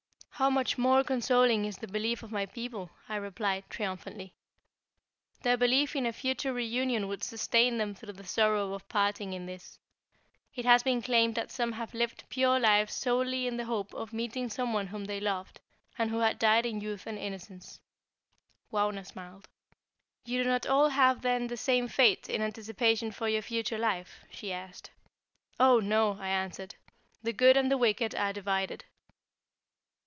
"How much more consoling is the belief of my people," I replied, triumphantly. "Their belief in a future reunion would sustain them through the sorrow of parting in this. It has been claimed that some have lived pure lives solely in the hope of meeting some one whom they loved, and who had died in youth and innocence." Wauna smiled. "You do not all have then the same fate in anticipation for your future life?" she asked. "Oh, no!" I answered. "The good and the wicked are divided."